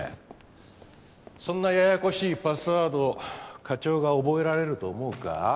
そんなややこしいパスワードを課長が覚えられると思うか？